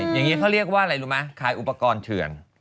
อย่างนี้เขาเรียกว่าอะไรรู้ไหมขายอุปกรณ์เถื่อน